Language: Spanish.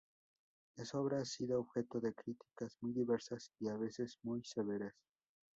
Esta obra ha sido objeto de críticas muy diversas y a veces muy severas.